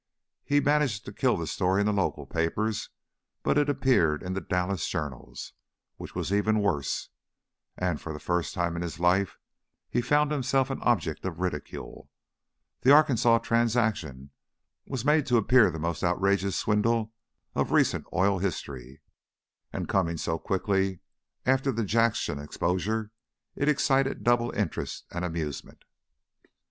He managed to kill the story in the local papers, but it appeared in the Dallas journals, which was even worse, and for the first time in his life he found himself an object of ridicule. The Arkansas transaction was made to appear the most outrageous swindle of recent oil history, and, coming so quickly after the Jackson exposure, it excited double interest and amusement.